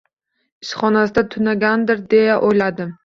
Ishxonasida tunagandir, deya o`yladim